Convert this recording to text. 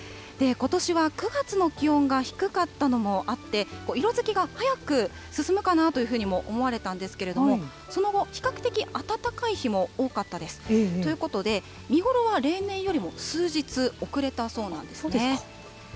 ことしは９月の気温が低かったのもあって、色づきが早く進むかなというふうにも思われたんですけれども、その後、比較的暖かい日も多かったです。ということで、見頃は例年よりも数日遅れたそうなんですね。